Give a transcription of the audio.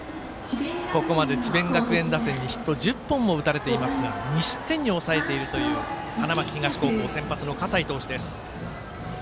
ここまで智弁学園打線にヒット１０本も打たれていますが２失点に抑えているという花巻東先発の葛西投手です。